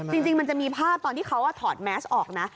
จริงมันจะมีภาพตอนที่เขาถอดแมสออกนะ